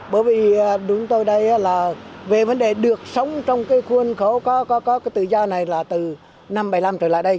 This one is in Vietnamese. bởi vì đúng tôi đây là về vấn đề được sống trong cái khuôn khổ có cái tự do này là từ năm một nghìn chín trăm bảy mươi năm trở lại đây